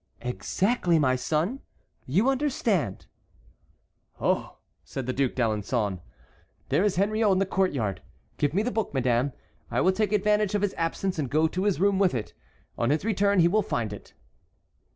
"Exactly, my son; you understand." "Oh!" said D'Alençon; "there is Henriot in the court yard. Give me the book, madame. I will take advantage of his absence and go to his room with it. On his return he will find it."